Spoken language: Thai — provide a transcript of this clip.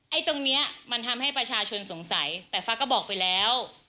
ตรงเนี้ยมันทำให้ประชาชนสงสัยแต่ฟ้าก็บอกไปแล้ว